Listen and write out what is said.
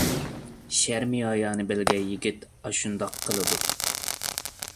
شەرمى ھايانى بىلگەن يىگىت ئاشۇنداق قىلىدۇ.